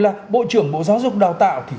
là bộ trưởng bộ giáo dục đào tạo thì